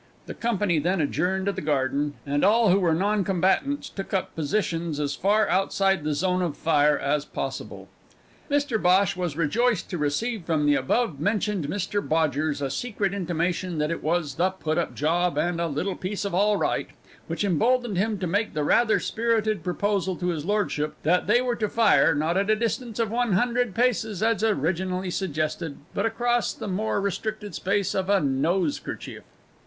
The company then adjourned to the garden, and all who were non combatants took up positions as far outside the zone of fire as possible. Mr Bhosh was rejoiced to receive from the above mentioned Mr Bodgers a secret intimation that it was the put up job, and little piece of allright, which emboldened him to make the rather spirited proposal to his lordship, that they were to fire not at the distance of one hundred paces, as originally suggested but across the more restricted space of a nosekerchief.